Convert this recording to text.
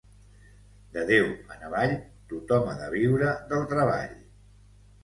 De Déu en avall tothom ha de viure del treball.